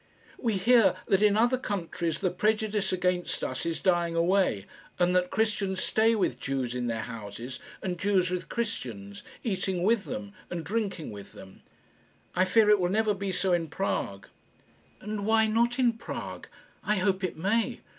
"We hear that in other countries the prejudice against us is dying away, and that Christians stay with Jews in their houses, and Jews with Christians, eating with them, and drinking with them. I fear it will never be so in Prague." "And why not in Prague? I hope it may.